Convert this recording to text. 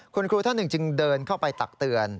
คุณครูท่านหนึ่งจึงเดินเข้าไปตักเตือน